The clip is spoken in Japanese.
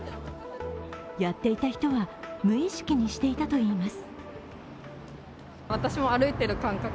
やっていた人は、無意識にしていたと言います。